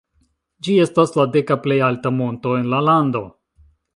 Ĝi estas la deka plej alta monto en la lando.